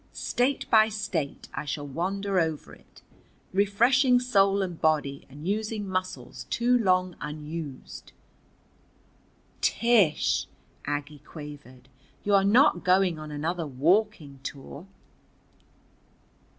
State by State I shall wander over it, refreshing soul and body and using muscles too long unused." "Tish!" Aggie quavered. "You are not going on another walking tour?"